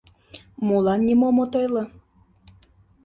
Молан нимом от ойло?